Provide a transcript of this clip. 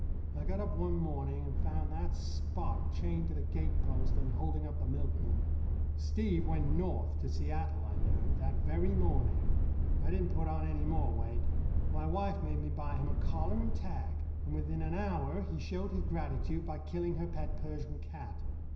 I got up one morning and found that Spot chained to the gate post and holding up the milkman. Steve went north to Seattle, I learned, that very morning. I didn't put on any more weight. My wife made me buy him a collar and tag, and within an hour he showed his gratitude by killing her pet Persian cat.